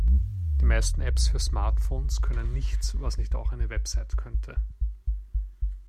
Die meisten Apps für Smartphones können nichts, was nicht auch eine Website könnte.